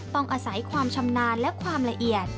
ต้องอาศัยความชำนาญและความละเอียด